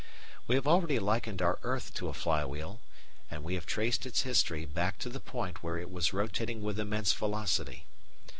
We have already likened our earth to a flywheel, and we have traced its history back to the point where it was rotating with immense velocity.